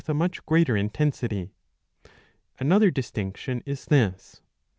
2. a much greater intensity. Another distinction is this.